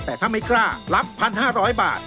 แต่ถ้าไม่กล้ารับ๑๕๐๐บาท